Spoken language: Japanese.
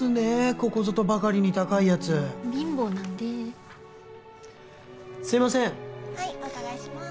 ここぞとばかりに高いやつ貧乏なんですいません・はいお伺いします